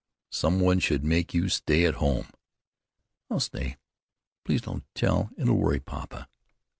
Some one should make you stay at home." "I'll stay. Please don't tell. It will worry papa."